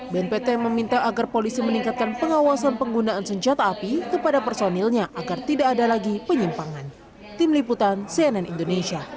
bnpt meminta agar polisi meningkatkan pengawasan penggunaan senjata api kepada personilnya agar tidak ada lagi penyimpangan